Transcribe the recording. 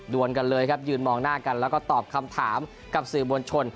วนกันเลยครับยืนมองหน้ากันแล้วก็ตอบคำถามกับสื่อมวลชน